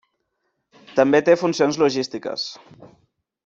També té funcions logístiques.